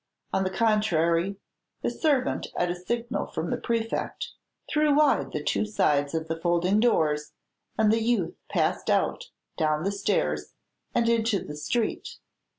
On the contrary, the servant, at a signal from the Prefect, threw wide the two sides of the folding doors, and the youth passed out, down the stairs, and into the street.